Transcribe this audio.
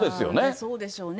そうでしょうね。